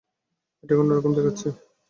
এটাকে অন্যরকম দেখাচ্ছে।